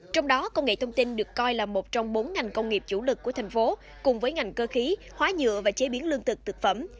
trong đó công nghệ thông tin được coi là một trong bốn ngành công nghiệp chủ lực của thành phố cùng với ngành cơ khí hóa nhựa và chế biến lương thực thực phẩm